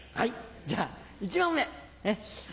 じゃあ１問目。